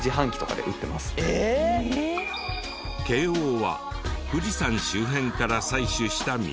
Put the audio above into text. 慶應は富士山周辺から採取した水。